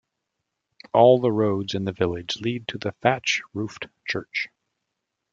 All the roads in the village lead to the thatch roofed church.